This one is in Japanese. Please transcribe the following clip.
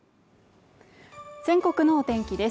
全国のお天気です